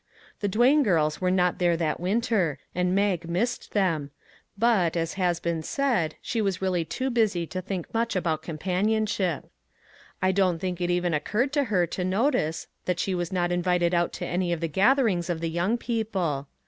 The Duane girls were not there that winter, and Mag missed them, but, as has been said, she was really too busy to think much about companionship. I don't think it even occurred to her to notice that she was not invited out to any of the gatherings of the young people.